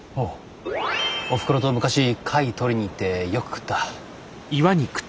おふくろと昔貝とりに行ってよく食った。